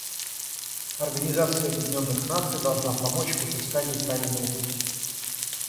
Организация Объединенных Наций должна помочь в отыскании правильного пути.